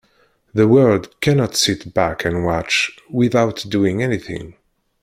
The world cannot sit back and watch without doing anything.